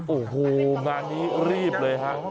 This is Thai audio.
โอ้โหงานนี้รีบเลยฮะ